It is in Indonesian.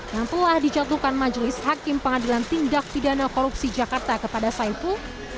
yang telah dijatuhkan majelis hakim pengadilan tindak pidana korupsi jakarta kepada saiful